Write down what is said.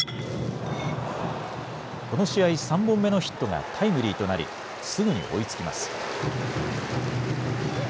この試合３本目のヒットがタイムリーとなりすぐに追いつきます。